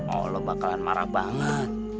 oh lo bakalan marah banget